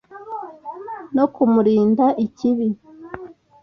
no kumurinda ikibi,